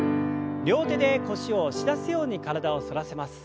両手で腰を押し出すように体を反らせます。